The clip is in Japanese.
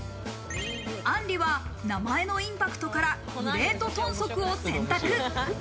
あんりは名前のインパクトからグレートトンソクを選択。